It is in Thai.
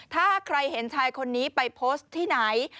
ถ้าใครเห็นชายคนนี้ไปโพสต์ที่ไหน